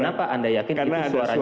dan kenapa anda yakin itu suaranya